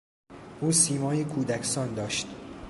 او سیمایی کودکسان داشت.